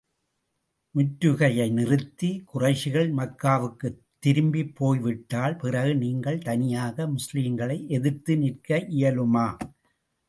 முற்றுகையை நிறுத்தி, குறைஷிகள் மக்காவுக்குத் திரும்பிப் போய் விட்டால், பிறகு நீங்கள் தனியாக முஸ்லிம்களை எதிர்த்து நிற்க இயலுமா?